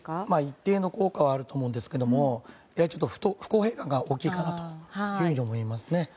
一定の効果はあると思うんですけども不公平感が大きいかなと思います。